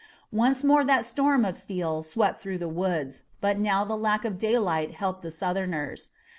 Once more that storm of steel swept through the woods, but now the lack of daylight helped the Southerners.